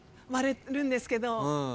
割れるんですけど。